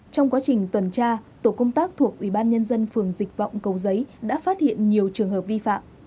trong quá trình tuần tra tổ công tác thuộc ủy ban nhân dân phường dịch vọng cầu giấy đã phát hiện nhiều trường hợp vi phạm